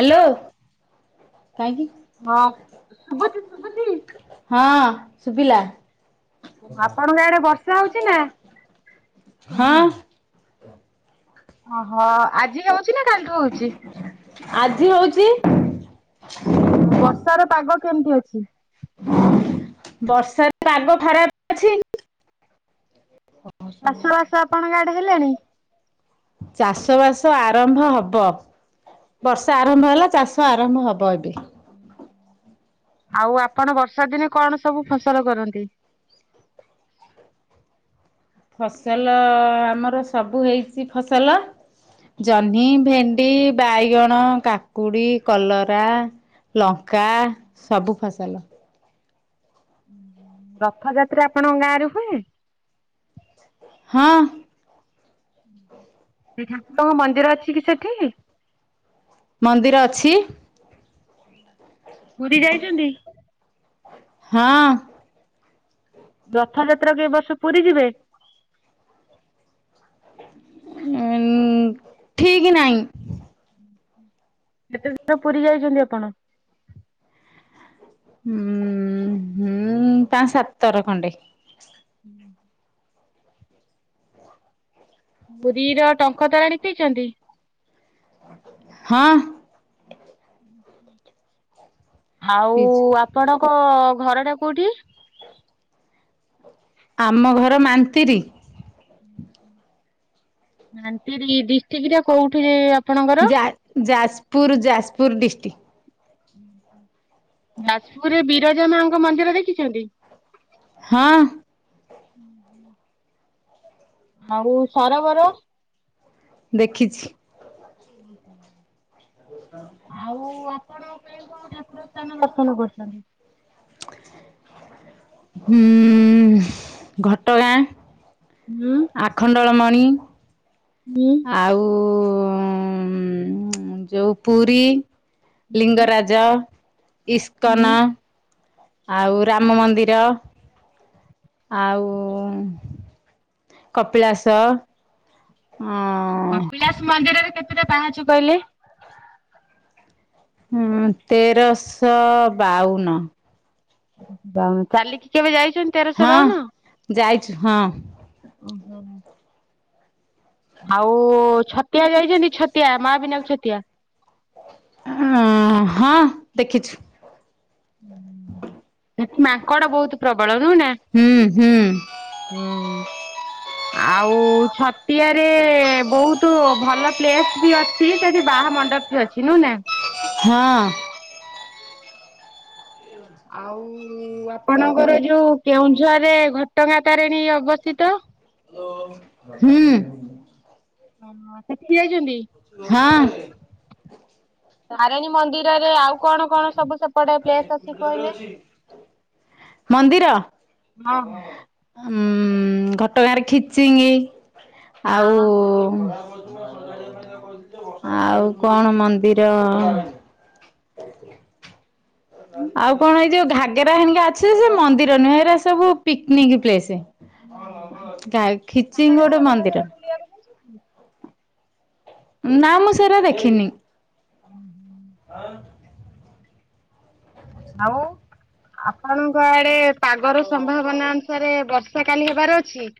Hello hello. କାଇଁକି? ହଁ ଶୁବୁଚି ଶୁବୁଚି? ହଁ ଶୁଭିଲା। ଆପଣଙ୍କ ଆଡେ ବର୍ଷା ହଉଚି ନା? ହଁ। ଓହୋ ଆଜି ହଉଚି ନା କାଲିଠୁ ହଉଚି। ଆଜି ହଉଚି। ଓହ ବର୍ଷାର ପାଗ କେମିତି ଅଛି? ବର୍ଷାର ପାଗ ଖରାପ ଅଛି। ହସ ଚାଷ ନା। ବାସ ଆପଣଙ୍କ ଆଡେ ହେଲାଣି ଚାଷବାସ ଆରମ୍ଭ ହବ। ବର୍ଷା ଆରମ୍ଭ ହେଲା ଚାଷ ଆରମ୍ଭ ହବ ଏବେ। ଆଉ ଆପଣ ବର୍ଷା ଦିନେ କଣ ସବୁ ଫସଲ କରନ୍ତି? ଫସଲ ଆମର ସବୁ ହେଇଚି ଫସଲ। ଜହ୍ନି, ଭେଣ୍ଡି, ବାଇଗଣ, କାକୁଡି, କଲରା। ଲଙ୍କା ସବୁ ଫସଲ। ରଥଯାତ୍ରା ଆପଣଙ୍କ ଗାଁ ରେ ହୁଏ? ହଁ। ସେ ଠାକୁରଙ୍କ ମନ୍ଦିର ଅଛି କି ସେଠି? ମନ୍ଦିର ଅଛି। ପୁରୀ ଯାଇଛନ୍ତି? ହଁ। ରଥଯାତ୍ରାକୁ ଏବର୍ଷ ପୁରୀ ଯିବେ? ଉଁ ମ୍ ଠିକ ନାଇଁ। [inaudible] କେତେ ଦିନ ପୁରୀ ଯାଇଚନ୍ତି ଆପଣ? ହୁଁ ହୁଁ ପାଆଁ ସାତ୍ ତର ଖଣ୍ଡେ। ହୁଁ। ପୁରୀର ଟଙ୍କ ତୋରାଣି ପିଇଚନ୍ତୀ? ହଁ। ଆଉ ପିଇଚି। ଆପଣଙ୍କ ଘର ଟା କୋଉଠି? ଆମ ଘର ମାନ୍ତିରି। ହୁଁ ହୁଁ। ମନ୍ତିରି ଡିଷ୍ଟ୍ରିକ୍ଟରେ କୋଉଠିରେ ଆପ ଯା ଯାଜପୁର ଯାଜପୁର ଡିଷ୍ଟ୍ରିକ୍। [inaudible] ଯାଜପୁରରେ ବିରଜା ମାଙ୍କ ମନ୍ଦିର ଦେଖିଛନ୍ତି? ହଁ। ହୁଁ ହୁଁ। ଆଉ ସରବର? ଦେଖିଚି। ହୁଁ ହୁଁ। ଆଉ ଆପଣ କେହି କଣ ଠାକୁର ସ୍ଥାନ ଦର୍ଶନ କରିଚନ୍ତି? [inaudible] ହୁଁ ଘଟଗାଁ, ହୁଁ। ଆଖଣ୍ଡଳମଣି ହୁଁ। ଆଉ ଉଁ-ଉଁ-ଉଁ ଯେଉ ପୁରୀ। ହୁଁ ଲିଙ୍ଗରାଜ, ହୁଁ ଇସ୍କନ। ଆଉ ରାମ ମନ୍ଦିର। ଆଉ କପିଳାସ ଅ କପିଳାଶ ମନ୍ଦିରରେ କେତେଟା ପାହଚ କହିଲେ? ହୁଁ ତେରଶଅ ବାଉନ। ବାଉ ଚାଲିକି କେବେ ଯାଇ ହଁ ଯାଇଚି ହଁ। ଓହୋ। ଆଉ ଛତିଆ ଯାଇଛନ୍ତି ଛତିଆ ମାବିିନାକ ଛତିଆ। ଅ ହଁ ଦେଖିଚି। ସେଠି ମାଙ୍କଡ ବହୁତ ପ୍ରବଳ ନୁହଁନା? ହୁଁ ହୁଁ ହୁଁ ଆଉ ଛଟିଆରେ। ବହୁତ ଭଲ ପ୍ଲେସ ବି ଅଛି, ସେଠି ବାହା ମଣ୍ଡପ ବି ଅଛି, ନୁହେ ନା? ହଁ ଆଉ ଆପଣଙ୍କର ଯୋଉ କେଉଁଝରରେ ଘଟଗାଁ ତାରିଣୀ ଅବସ୍ଥିତ। ହୁଁ ଓ [unintelligible] ଯାଇଛନ୍ତି। ହଁ ତାରିଣୀ ମନ୍ଦିରରେ ଆଉ କଣ କଣ ସବୁ ସେପଟେ ପ୍ଲେସ ଅଛି କହିଲେ? ମନ୍ଦିର ହଁ ହଁ ଉଁ ଘଟଗାଁରେ ଖିଚିଙ୍ଗି ହଁ ଆଉ। ଆଉ କଣ ମନ୍ଦିର। ଆଉ କଣ ଏଇ ଯୋଉ ଘାଗେରା ହାରିକା ଅଛି, ସେ ମନ୍ଦିର ନୁହେଁ, ଏଇରା ସବୁ ପିକନିକ ପ୍ଲେସ। ଗାଏ ଖିଚିଙ୍ଗ ଗୋଟେ ମନ୍ଦିର। ନାଁ ନାଁ ସେଇରା ଦେଖିନି। ହୁଁ ହୁଁ ଆଉ। ଆଉ ଆପଣଙ୍କ ଆଡେ ପାଗର ସମ୍ଭାବନା ଅନୁସାରେ ବର୍ଷା କାଲି ହେବାରେ ଅଛି?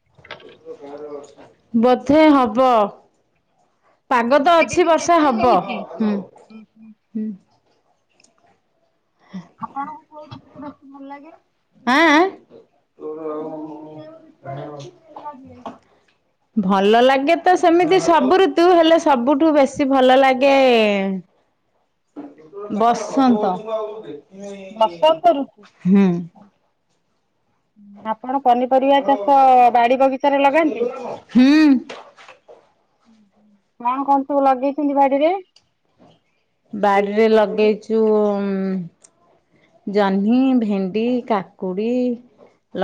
ବଧେ ହବ। ପାଗ ତ ଅଛି ବର୍ଷା ହବ। ହୁଁ ହୁଁ। ଆପଣଙ୍କୁ କୋଉ ଋତୁ ବେଶି ଭଲ ଲାଗେ? ଆଁଏ ଆଁଏ। ଆପଣଙ୍କୁ କେଉଁ ଋତୁ ଟା ଭଲ ହ ଲାଗେ। ଭଲ ଲାଗେ ତ ସେମିତି ସବୁ ଋତୁ ହେଲେ ସବୁଠୁ ବେଶୀ ଭଲ ଲାଗେ ବସନ୍ତ ବସନ୍ତ ଋତୁ, ହୁଁ ମତ କଣ ପନିପରିବା ଚାଷ ବାଡି ବଗିଚାରେ ଲଗାନ୍ତି? ହୁଁ କଣ କଣ ସବୁ ଲଗେଇଛନ୍ତି ବାଡିରେ? ବାଡିରେ ଲଗେଇଚି ଉଁ ଜହ୍ନି, ଭେଣ୍ଡି, କାକୁଡି,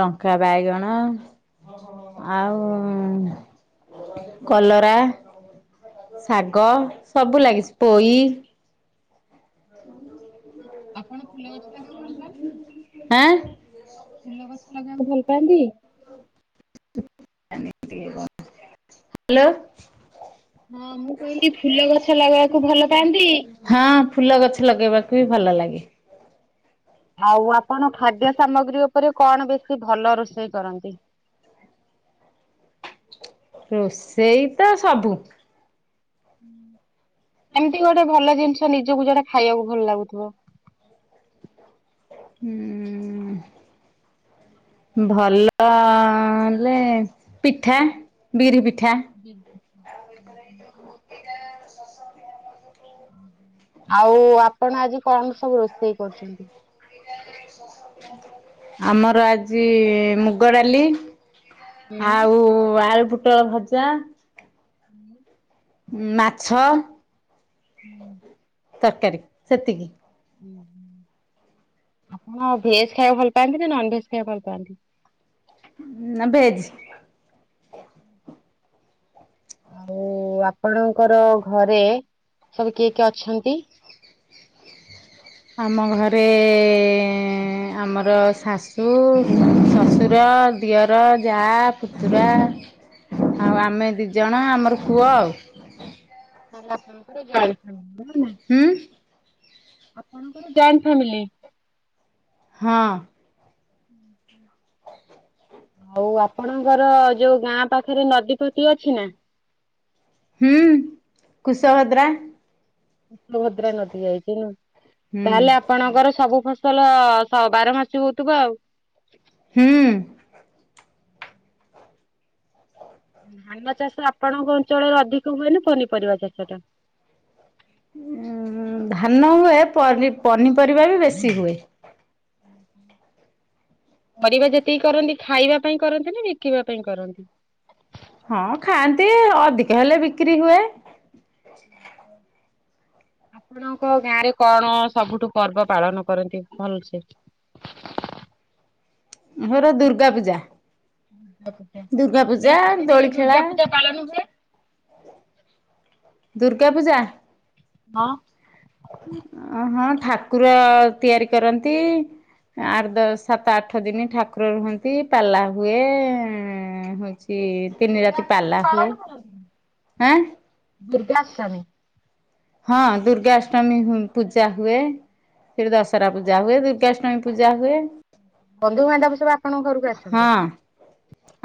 ଲଙ୍କା, ବାଇଗଣ। ଆଉ କଲରା, ଶାଗ, ସବୁ ଲାଗିଛି ପୋଇ। [inaudible] ଆପଣ ଫୁଲ ଗଛ ଲଗୋଉ ନାହାଁନ୍ତି? ଆଁ ଫୁଲ ଗଛ ଲଗେଇବାକୁ ଭଲ ପାଆନ୍ତି? [unintelligible] ହାଲୋ। ହଁ ମୁଁ କହିଲି ଫୁଲ ଗଛ ଲଗେଇବାକୁ ଭଲ ପାଆନ୍ତି? ହଁ ଫୁଲ ଗଛ ଲଗେଇବାକୁ ବି ଭଲ ଲାଗେ। ଆଉ ଆପଣ ଖାଦ୍ୟ ସାମଗ୍ରୀ ଉପରେ କଣ ବେଶୀ ଭଲ ରୋଷେଇ କରନ୍ତି? ରୋଷେଇ ତ ସବୁ। ଏମତି ଗୋଟେ ଭଲ ଜିନିଷ ନିଜକୁ ଯୋଉଟା ଖାଇବାକୁ ଭଲ ଲାଗୁଥିବ? ହୁଁ ଭଲ ହେଲେ ପିଠା ବିରି ପିଠା ବିରି ପିଠା ହୁଁ ହୁଁ ହୁଁ। ଆଉ ଆପଣ ଆଜି କଣ ସବୁ ରୋଷେଇ କରୁଛନ୍ତି? ଆମର ଆଜି ମୁଗ ଡାଲି ହୁଁ ଆଉ ଆଳୁ ପୁଟଳ ଭଜା ଆଉ ଉଁ ମାଛ ହୁଁ। ତରକାରୀ ସେତିକି। ହୁଁ ହୁଁ ଆପଣ ଭେଜ ଖାଇବା ଭଲ ପାଆନ୍ତି ନା ନନ ଭେଜ ଖାଇବାକୁ ଭଲ ପାଆନ୍ତି? ହଁ ନା ଭେଜି। ହୁଁ ଆରୁ ଆପଣଙ୍କର ଘରେ ସବୁ କିଏ କିଏ ଅଛନ୍ତି? ଆମ ଘରେ ଆମର ଶାଶୁ, ଶ୍ୱଶୁର, ଦିଅର, ଯା, ପୁତୁୁରା ଆଉ ଆମେ ଦିଜଣ ଆମର ପୁଅ ଆଉ। ଖାଇଲା ପରେ ପରେ ଗାଳି [unintelligible] ହୁଁ! ଆପଣଙ୍କର ଜଏଣ୍ଟ ଫାମିଲି? ହଁ। ହୁଁ ହୁଁ। ଆଉ ଆପଣଙ୍କର ଯୋଉ ଗାଁ ପାଖେରେ ନଦୀ ଫଦି ଅଛି ନା? ହୁଁ କୁଶଭଦ୍ରା କୁସଭଦ୍ରା ନଦୀ ଯାଇଛି ନୁହେଁ ହୁଁ ତାହେଲେ ଆପଣଙ୍କର ସବୁ ଫସ ସଲ ଶ ବାର ମାସି ହଉଥିବ ଆଉ? ହୁଁ। ଧାନ ଚାଷ ଆପଣଙ୍କ ଅଞ୍ଚଳରେ ଅଧିକ ହୁଏନା ପନିପରିବା ଚାଷ ଟା? ଉଁ ଧାନ ହୁଏ ପନି ପନିପରିବା ବି ବେଶୀ ହୁଏ। ହୁଁ। ପରିବା ଯେତିକି କରନ୍ତି ଖାଇବା ପାଇଁ କରନ୍ତି ନା ବିକିବା ପାଇଁ କରନ୍ତି? ହଁ ଖାଆନ୍ତି ଅଧିକ ହେଲେ ବିକ୍ରି ହୁଏ। ଉଁ ହୁଁ। ଆପଣଙ୍କ ଗାଁରେ କଣ ସବୁଠୁ ପର୍ବ ପାଳନ କରନ୍ତି ଭଲସେ? ଆମର ଦୁର୍ଗା ପୂଜା। ଦୁର୍ଗା ପୂଜା ଦୁର୍ଗା ପୂଜା ଏଇ ଦୋଳି କେତେଦିନ ଖେଳା ଦୁର୍ଗା ପୂଜା ପାଳନ ହୁଏ? ଦୁର୍ଗା ପୂଜା! ହଁ। ଅ ହଁ ଠାକୁର ତିଆରି କରନ୍ତି ଆଠ ଦଶ ସାତ ଆଠ ଦିନ ଠାକୁର ରୁହନ୍ତି ପାଲା ହୁଏ ଏ ହଉଛି ତିନି ରାତି ପାଲା ହୁଏ ଆଁ! ଦୁର୍ଗାଷ୍ଟମି! ହଁ ଦୁର୍ଗାଷ୍ଟମୀ ହୁଁ ପୂଜା ହୁଏ। ଫରେ ଦଶହରା ପୂଜା ହୁଏ, ଦୁର୍ଗାଷ୍ଟମୀ ପୂଜା ହୁଏ। ବନ୍ଧୁବାନ୍ଧବ ସବୁ ଆପଣଙ୍କ ଘରକୁ ହଁ ଆସନ୍ତି?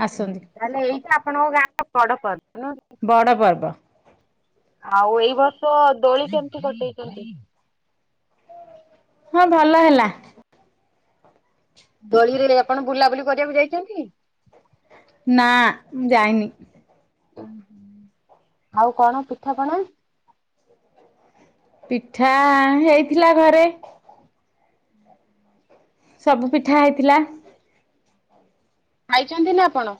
ଆସନ୍ତି। ତାହେଲେ ଏଇଟା ଆପଣଙ୍କ ଗାଁର ବଡ ପର୍ବ, ନୁଁକି? ବଡ଼ ପର୍ବ। ଆଉ ଏଇ ବର୍ଷ ଦୋଳି କେମିତି କଟେଇଛନ୍ତି? ହଁ ଭଲ ହେଲା। ଦୋଳିରେ ଆପଣ ବୁଲାବୁଲି କରିବାକୁ ଯାଇଛନ୍ତି? ନା ମୁଁ ଯାଇନି। ଓ ଆଉ କଣ ପିଠାପଣା? ପିଠା ହେଇଥିଲା ଘରେ। ହୁଁ ଉ ସବୁ ପିଠା ହେଇଥିଲା। ଖାଇଛନ୍ତି ନା ଆପଣ?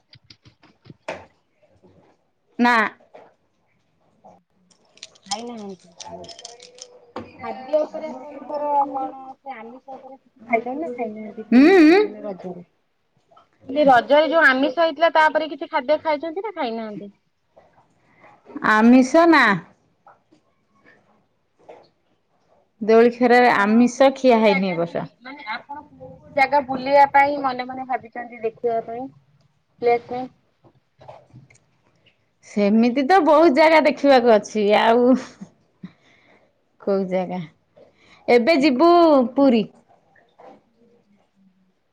ନା ଆ ହୁଁ ଖାଇବ ନାହିଁକି? ଖାଦ୍ୟ ଉପରେ ଆପଣଙ୍କର କଣ, ସେ ଆମିଷ ଉପରେ? [unintelligible] ନା ଖାଇନା ଉଁ ଏଇ ଉଁ ମାନେ ରଜରେ ରଜରେ ଯୋଉ ଆମିଷ ହେଇଥିଲା ତାପରେ କିଛି ଖାଦ୍ୟ ଖାଇଛନ୍ତି ନା, ଖାଇନାହାନ୍ତି? ଆମିଷ ନା। ଦୋଳି ଖରରେ ଆପଣ ଆମିଷ କେଉଁ କୋଉ ଖିଆ ହେଇନି ଜାଗା ଏ ବୁଲି ବର୍ଷ। ମାନେ ଆପଣ କୋଉ କୋଉ ଜାଗା ବୁଲିବା ପାଇଁ ମନେ ମନେ ଭାବିଛନ୍ତି ଦେଖିବା ପାଇଁ? [unintelligible] ସେମିତି ତ ବହୁତ ଜାଗା ଦେଖିବାକୁ ଅଛି, ଆଉ କୋଉ ଜାଗା? ଏବେ ଯିବୁ ପୁରୀ। ହୁଁ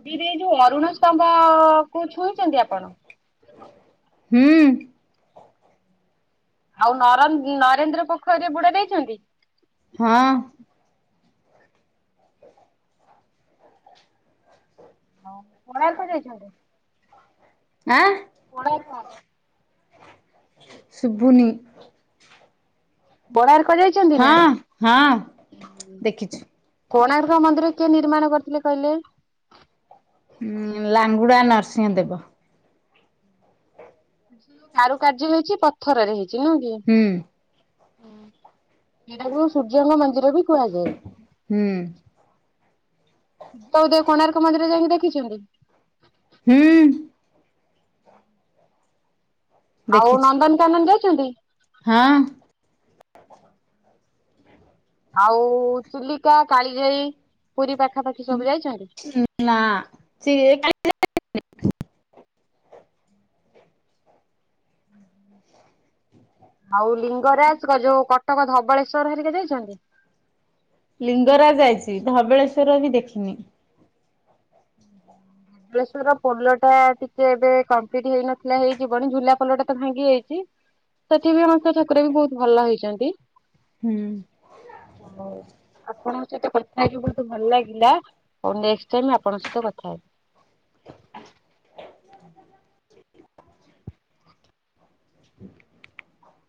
ପୁରୀରେ ଯୋଉ ଅରୁଣ ସ୍ତମ୍ଭ କୁ ଛୁଇଁଛନ୍ତି ଆପଣ? ହୁଁ ଆଉ ନରେନ୍ଦ୍ର ପୋଖରୀରେ ବୁଡ ଦେଇଛନ୍ତି? ହଁ ଅ ହଁ କୋଣାର୍କ ଯାଇଛନ୍ତି? ଆଁ ଆ କୋଣାର୍କ? ଶୁଭୁନି? କୋଣାର୍କ ଯାଇଛନ୍ତି ନା? ହଁ ହଁ ଦେଖିଛୁ କୋଣାର୍କ ମନ୍ଦିର କିଏ ନିର୍ମାଣ କରିଥିଲେ କହିଲେ? ଉଁ ଲାଙ୍ଗୁଡା ନରସିଂହ ଦେବ। ଯଉ କାରୁକାର୍ଯ୍ୟ ହେଇଛି, ପଥରରେ ହେଇଛି ନୁହେଁ କି? ହୁଁ ଉଁ ହୁଁ ଉଁ ସେଟାକୁ ସୂର୍ଯ୍ୟଙ୍କ ମନ୍ଦିର ବି କୁହାଯାଏ। ହୁଁ ସୂର୍ଯ୍ୟ ଉଦୟ କୋଣାର୍କ ମନ୍ଦିର ଯାଇକି ଦେଖିଛନ୍ତି? ହୁଁ ଉଁ ଆଉ ଦେଖିଛୁ ନନ୍ଦନକାନନ ଯାଇଛନ୍ତି? ହଁ ଅ ଆଉ ଚିଲିକା, କାଳିଜାଇ, ପୁରୀ ପାଖାପାଖି ସବୁ ଯାଇଛନ୍ତି? ନା ସେ ହୁଁ ହୁ ଆଉ ଲିଙ୍ଗରାଜ ଯୋଉ କଟକ ଧବଳେଶ୍ୱର ହେରିକ ଯାଇଛନ୍ତି? ଲିଙ୍ଗରାଜ ଯାଇଛି, ଧବଳେଶ୍ଵର ବି ଦେଖିନି? [inaudible] ବାଳେଶର ପୋଲ ଟା ଟିକେ ଏବେ କମ୍ପ୍ଲିଟ ହେଇନଥିଲା ହେଇଯ ବଣି ଝୁଲା ପୋଲ ଟା ତ ଭାଙ୍ଗି ହୋଇଛି। ସେଠି ବି ଅମସ ଠାକୁର ବି ବହୁତ ଭଲ ହେଇଛନ୍ତି। ହୁଁ। ହ। ଆପଣଙ୍କ ସହିତ କଥା ହେଇକି ବହୁତ ଭଲ ଲାଗିଲା। ପୁଣି ନେକ୍ସଟ୍ ଟାଇମ୍ ଆପଣଙ୍କ ସହିତ କଥା ହେବି। [inaudible] [inaudible]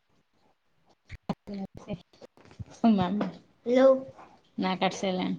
ନା କରିସାରିଲାଣି।